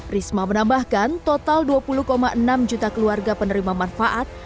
risma menambahkan total dua puluh enam juta keluarga penerima manfaat